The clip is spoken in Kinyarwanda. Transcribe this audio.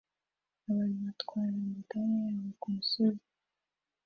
abantu batwara amagare yabo kumusozi